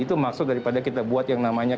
itu maksud daripada kita buat yang namanya